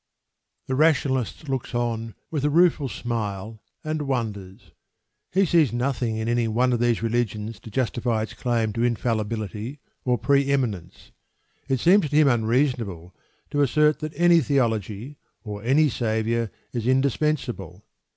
The Rationalist locks on with a rueful smile, and wonders. He sees nothing in any one of these religions to justify its claim to infallibility or pre eminence. It seems to him unreasonable to assert that any theology or any saviour is indispensable.